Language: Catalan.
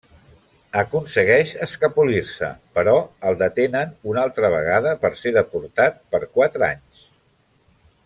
Aconsegueix escapolir-se, però el detenen una altra vegada per ser deportat per quatre anys.